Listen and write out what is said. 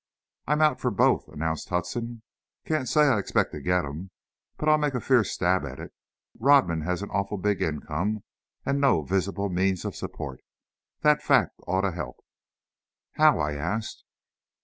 "I'm out for both," announced Hudson. "Can't say I expect to get 'em, but I'll make a fierce stab at it. Rodman has an awful big income, and no visible means of support. That fact ought to help." "How?" I asked.